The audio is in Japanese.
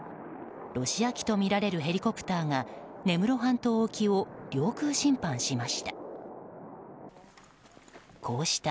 ロシア機とみられるヘリコプターが根室半島沖を領空侵犯しました。